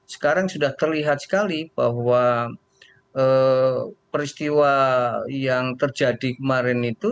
sekarang sudah terlihat sekali bahwa peristiwa yang terjadi kemarin itu